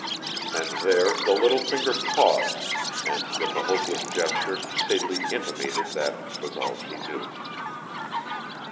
And there the little finger paused, and with a hopeless gesture Celie intimated that was all she knew.